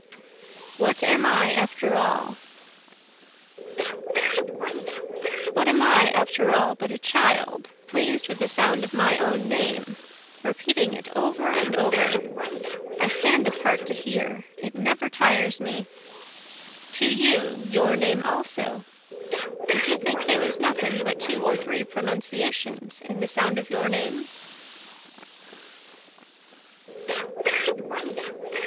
What Am I After All What am I after all but a child, pleas'd with the sound of my own name? repeating it over and over; I stand apart to hear it never tires me. To you your name also; Did you think there was nothing but two or three pronunciations in the sound of your name?